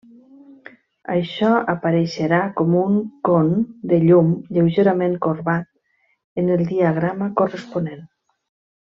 Això apareixerà com un con de llum lleugerament corbat en el diagrama corresponent.